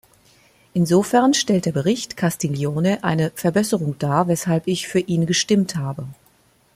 Insofern stellt der Bericht Castiglione eine Verbesserung dar, weshalb ich für ihn gestimmt habe.